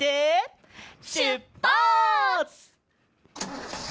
しゅっぱつ！